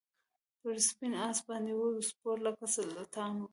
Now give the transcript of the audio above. پر سپین آس باندي وو سپور لکه سلطان وو